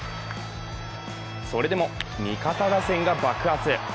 それでも味方打線が爆発。